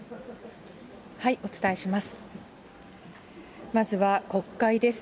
お伝えします。